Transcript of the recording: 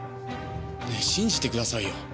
ねえ信じてくださいよ。